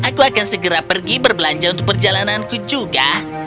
aku akan segera pergi berbelanja untuk perjalananku juga